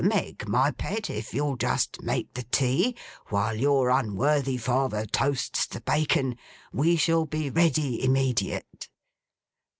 Meg, my pet, if you'll just make the tea, while your unworthy father toasts the bacon, we shall be ready, immediate.